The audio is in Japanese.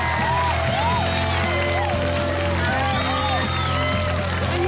・すごい。